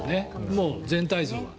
もう全体像は。